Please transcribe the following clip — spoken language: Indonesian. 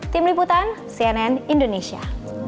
tim liputan cnn indonesia